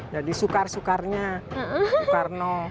jadi soekarnya soekarno